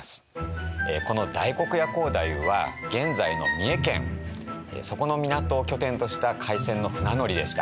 この大黒屋光太夫は現在の三重県そこの港を拠点とした廻船の船乗りでした。